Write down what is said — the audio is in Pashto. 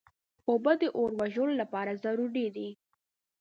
اوبه د اور وژلو لپاره ضروري دي.